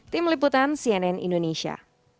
tim liputan cnn indonesia